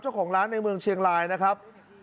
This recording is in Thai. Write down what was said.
เจ้าของร้านในเมืองเชียงรายนะครับ